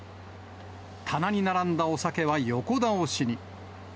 棚に並んだお酒は横倒しに。